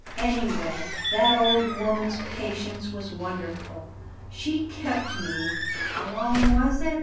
Anyway that old woman's patience was wonderful; she kept me how long was it?